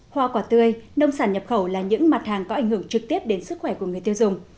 hoa quả tươi nông sản nhập khẩu là những mặt hàng có ảnh hưởng trực tiếp đến sức khỏe của người tiêu dùng